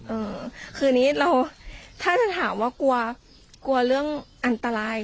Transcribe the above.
เออคืออันนี้เราถ้าจะถามว่ากลัวกลัวเรื่องอันตราย